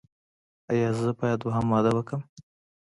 ایا زه باید دویم واده وکړم؟